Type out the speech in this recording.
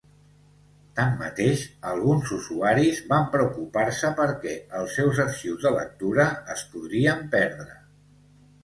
Tanmateix, alguns usuaris van preocupar-se perquè els seus arxius de lectura es podrien perdre.